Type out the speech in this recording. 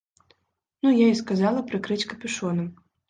Ну я і сказала прыкрыць капюшонам.